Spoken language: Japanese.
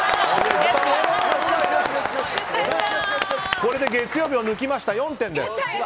これで月曜日を抜きました４点です。